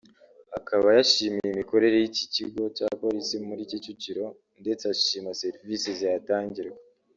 Akaba yashimiye imikorere y’iki kigo cya Polisi muri Kicukiro ndetse ashima serivisi zihatangirwa